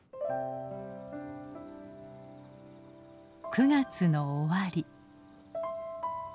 ９月の終わり。